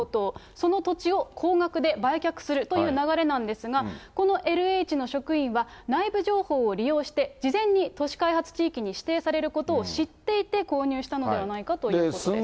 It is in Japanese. その土地を高額で売却するという流れなんですが、このＬＨの職員は内部情報を利用して事前に土地開発地域に指定されることを知っていて購入したのではないかということです。